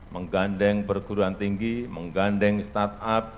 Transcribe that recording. menggandeng perguruan tinggi menggandeng start up